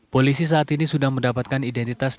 polisi saat ini sudah mendapatkan identitas